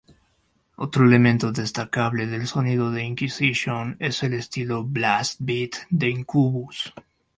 Otro elemento destacable del sonido de Inquisition es el estilo "Blast beat" de Incubus.